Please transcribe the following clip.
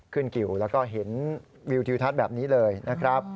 กิวแล้วก็เห็นวิวทิวทัศน์แบบนี้เลยนะครับ